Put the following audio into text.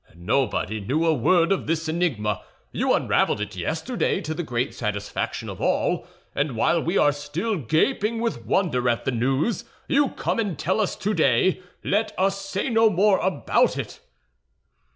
Nobody knew a word of this enigma. You unraveled it yesterday to the great satisfaction of all; and while we are still gaping with wonder at the news, you come and tell us today, 'Let us say no more about it.